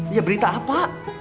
ya berita apa